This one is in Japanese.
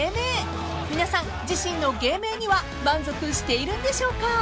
［皆さん自身の芸名には満足しているんでしょうか？］